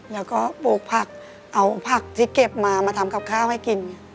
แล้วก็ปลูกผักเอาผักที่เก็บมามาทำกับข้าวให้กิน